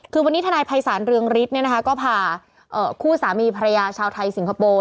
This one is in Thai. คือวันนี้ทนายภัยศาลเรืองฤทธิ์ก็พาคู่สามีภรรยาชาวไทยสิงคโปร์